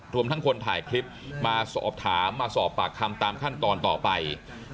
รวมทั้งคนถ่ายคลิปมาสอบถามมาสอบปากคำตามขั้นตอนต่อไป